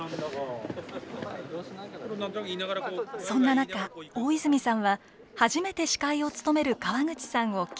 そんな中大泉さんは初めて司会を務める川口さんを気遣います。